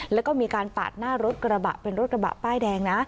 แล้วก็มีการปาดหน้ารถกระบะเป็นรถกระบะป้ายแดงนะ